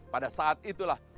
pada saat itulah